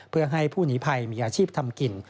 เพื่อให้ผู้หนีภัยมีอาชีพทำกิน